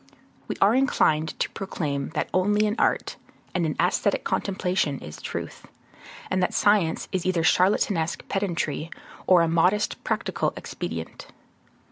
We are inclined to proclaim that only in art and in aesthetic contemplation is truth, and that science is either charlatanesque pedantry, or a modest practical expedient.